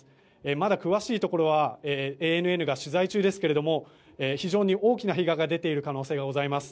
まだ詳しいところはＡＮＮが取材中ですけれども非常に大きな被害が出ている可能性がございます。